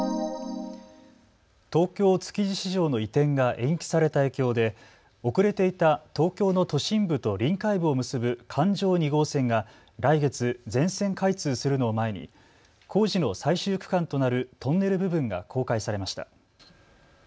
東京、築地市場の移転が延期された影響で遅れていた東京の都心部と臨海部を結ぶ環状２号線が来月、全線開通するのを前に工事の最終区間となるトンネル部分が公開されました。